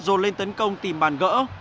rồn lên tấn công tìm bàn gỡ